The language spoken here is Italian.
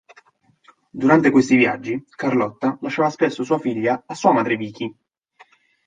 Durante questi viaggi, Carlotta lasciava spesso sua figlia a sua madre Vicky.